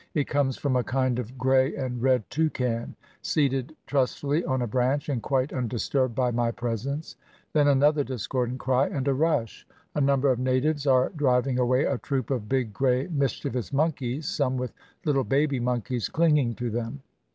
It comes from a kind of gray and red toucan seated trust fully on a branch, and quite tmdisturbed by my pres ence. Then another discordant cry, and a rush — a number of natives are driving away a troop of big, gray, mischievous monkeys, some with Httle baby monkeys clinging to them.